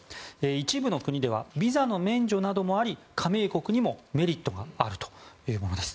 一部の国ではビザの免除などもあり加盟国にもメリットがあるというものです。